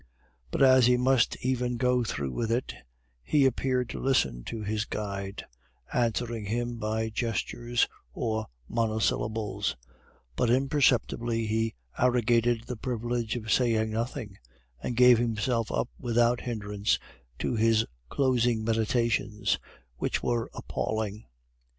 But as he must even go through with it, he appeared to listen to his guide, answering him by gestures or monosyllables; but imperceptibly he arrogated the privilege of saying nothing, and gave himself up without hindrance to his closing meditations, which were appalling.